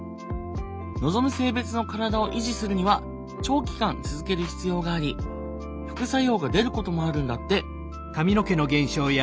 望む性別の体を維持するには長期間続ける必要があり副作用が出ることもあるんだって。